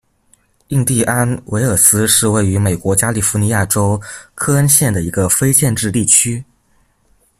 印第安维尔斯是位于美国加利福尼亚州克恩县的一个非建制地区。